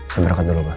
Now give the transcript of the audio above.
saya berangkat dulu pak